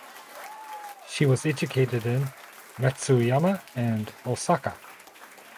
She was educated in Matsuyama and Osaka.